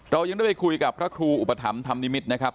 เรายังได้ไปคุยกับพระครูอุปถัมภธรรมนิมิตรนะครับ